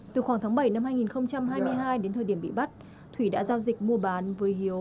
từ khoảng tháng bảy năm hai nghìn hai mươi hai đến thời điểm bị bắt thủy đã giao dịch mua bán với hiếu